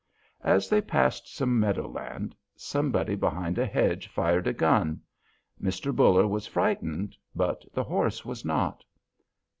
As they passed some meadow land, somebody behind a hedge fired a gun; Mr. Buller was frightened, but the horse was not.